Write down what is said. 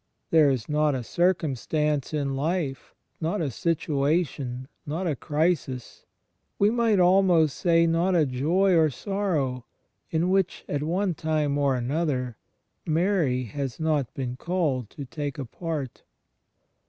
There is not a circumstance in life, not a situation, not a crisis — we might almost say, not a joy or sorrow — in which, at one time or another, Mary has not been called to take a part.